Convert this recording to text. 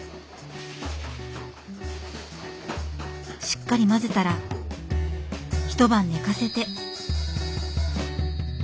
しっかり混ぜたら１晩寝かせて。